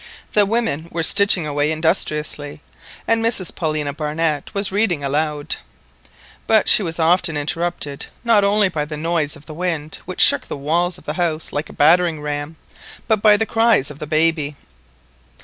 The women were stitching away industriously, and Mrs Paulina Barnett was reading aloud; but she was often interrupted not only by the noise of the wind, which shook the walls of the house like a battering ram, but by the cries of the baby.